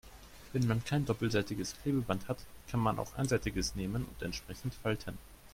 Wenn man kein doppelseitiges Klebeband hat, kann man auch einseitiges nehmen und entsprechend falten.